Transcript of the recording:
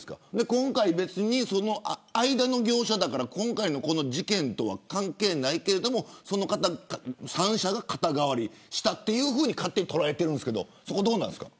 今回、間の業者だから今回の事件とは関係ないけれどその３社が肩代わりしたと勝手に捉えているんですけどそこどうですか。